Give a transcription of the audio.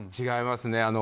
違いますね。